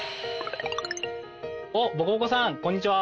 おっぼこぼこさんこんにちは。